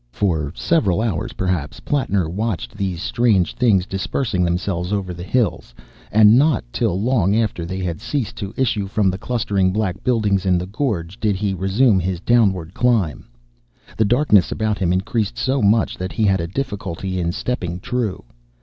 For several hours, perhaps, Plattner watched these strange things dispersing themselves over the hills, and not till long after they had ceased to issue from the clustering black buildings in the gorge, did he resume his downward climb. The darkness about him increased so much that he had a difficulty in stepping true.